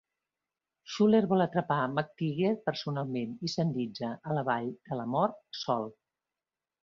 Schouler vol atrapar McTeague personalment i s'endinsa a la Vall de la Mort sol.